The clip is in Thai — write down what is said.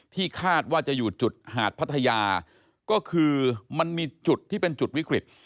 ที่คาดว่าจะอยู่จุดหาดพัทยาก็คือมันมีจุดที่เป็นจุดวิกฤต